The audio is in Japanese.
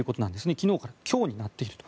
昨日から今日になっていると。